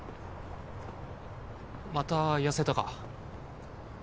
また痩せたか？